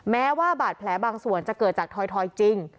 แม้ว่าบาดแผลบางส่วนจะเกิดจากถอยจริง